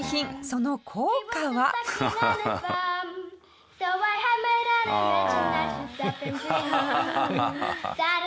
その効果は？ああ。